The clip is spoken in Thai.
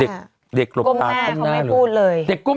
กลบหน้าเขาไม่พูดเลย